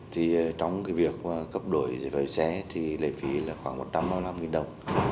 thì trong cái việc cấp đổi giấy phép lái xe thì lấy phí là khoảng một trăm năm mươi năm đồng